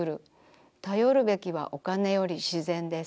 たよるべきはお金より自然です。